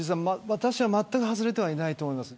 まったく外れてはいないと思います。